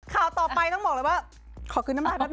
ข่าวต่อไปต้องบอกเลยว่าขอกินน้ำลาบนิดนึง